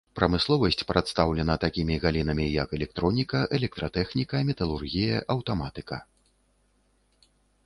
Прамысловасць прадстаўлена такімі галінамі як электроніка, электратэхніка, металургія, аўтаматыка.